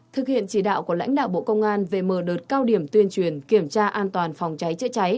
thực hiện chỉ đạo của lãnh đạo bộ công an về mở đợt cao điểm tuyên truyền kiểm tra an toàn phòng cháy chữa cháy